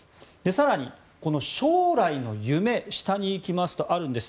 更に、将来の夢下に行きますと、あるんです。